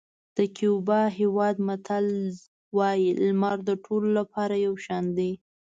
د کیوبا هېواد متل وایي لمر د ټولو لپاره یو شان دی.